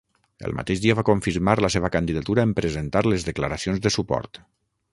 El mateix dia va confirmar la seva candidatura en presentar les declaracions de suport.